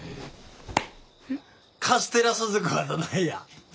カステラ鈴子はどないや！